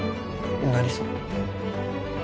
何それ？